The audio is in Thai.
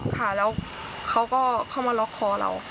ค่ะแล้วเขาก็เข้ามาล็อกคอเรา